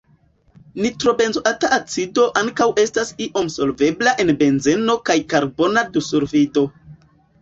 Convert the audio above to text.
Nitrobenzoata acido ankaŭ estas iom solvebla en benzeno kaj karbona dusulfido.